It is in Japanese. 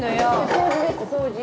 掃除です掃除。